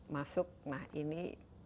masuk nah ini